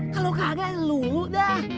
kalau kagak lulu dah